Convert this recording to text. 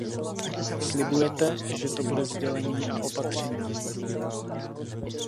Slibujete, že to bude sdělení a opatření.